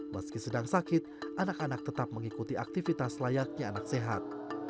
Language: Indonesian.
meski sedang sakit anak anak tetap mengikuti aktivitas layaknya anak sehat